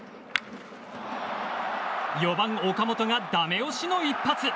４番、岡本がダメ押しの一発。